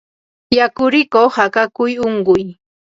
Yakurikuq akakuy unquy